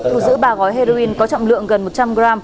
thu giữ ba gói heroin có trọng lượng gần một trăm linh g